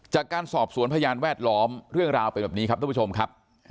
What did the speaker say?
จากการสอบสวนพยานแวดล้อมเรื่องราวเป็นแบบนี้ครับท่านผู้ชมครับ